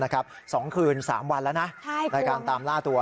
๒คืน๓วันแล้วนะในการตามล่าตัว